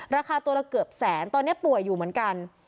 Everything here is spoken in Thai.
ราคาตัวละเกือบแสนตอนนี้ป่วยอยู่เหมือนกัน